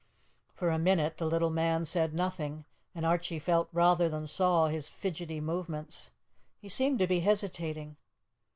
For a minute the little man said nothing, and Archie felt rather than saw his fidgety movements. He seemed to be hesitating.